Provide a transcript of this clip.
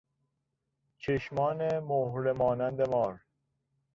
چشمان مهره مانند مار